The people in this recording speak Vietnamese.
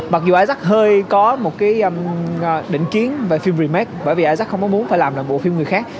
mặc dù isaac hơi có một cái định kiến về phim remake bởi vì isaac không có muốn phải làm một bộ phim người khác